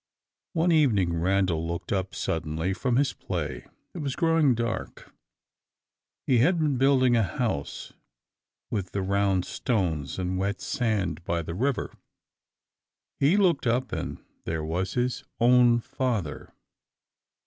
One evening Randal looked up suddenly from his play. It was growing dark. He had been building a house with the round stones and wet sand by the river. He looked up, and there was his own father!